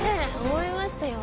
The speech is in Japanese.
思いましたよ